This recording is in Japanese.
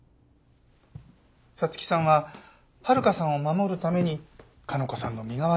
彩月さんは温香さんを守るために佳菜子さんの身代わりになった。